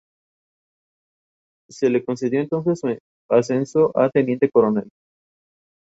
Si un jugador fracasa en tocar una canción, el otro gana la partida.